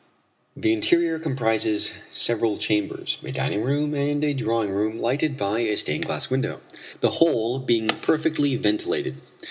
The interior comprises several chambers, a dining room and a drawing room lighted by a stained glass window, the whole being perfectly ventilated.